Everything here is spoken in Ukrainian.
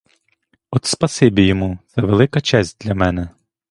От спасибі йому, це велика честь для мене!